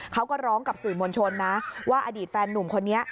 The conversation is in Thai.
เขาก็ร้องกับสื่อมวลชนนะว่าอดีตแฟนนุ่มคนนี้